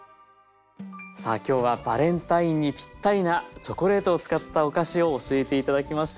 さあ今日はバレンタインにぴったりなチョコレートを使ったお菓子を教えて頂きました。